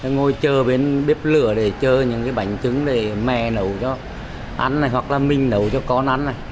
ngồi chờ bên bếp lửa để chờ những cái bánh trứng để mẹ nấu cho ăn này hoặc là mình nấu cho con ăn này